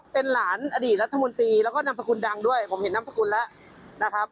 เป็นหลานอดีตรัฐมนตรีแล้วก็นามสกุลดังด้วยผมเห็นนามสกุลแล้วนะครับ